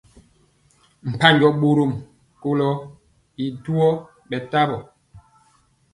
Mpanjɔ bɔrɔm kolo y duoi bɛtɔmba.